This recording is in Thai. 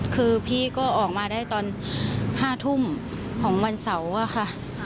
คือพี่ก็ออกมาได้ตอน๕ทุ่มของวันเสาร์อะค่ะ